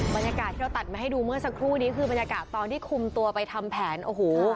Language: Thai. บรรยากาศที่เราตัดมาให้ดูเมื่อสักครู่นี้คือบรรยากาศตอนที่คุมตัวไปทำแผนโอ้โห